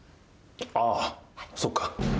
ああそっか。